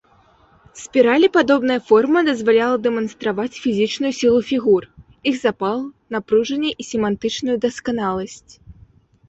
Спіралепадобная форма дазваляла дэманстраваць фізічную сілу фігур, іх запал, напружанне і семантычную дасканаласць.